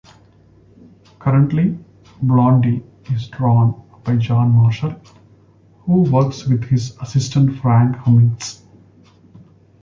Currently, "Blondie" is drawn by John Marshall, who works with his assistant Frank Cummings.